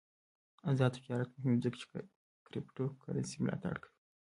آزاد تجارت مهم دی ځکه چې کریپټو کرنسي ملاتړ کوي.